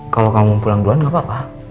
kalau kamu pulang duluan gak apa apa